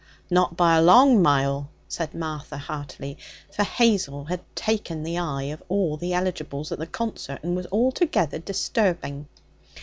'Not by a long mile!' said Martha heartily. For Hazel had 'taken the eye' of all the eligibles at the concert, and was altogether disturbing.